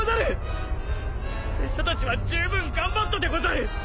拙者たちはじゅうぶん頑張ったでござる！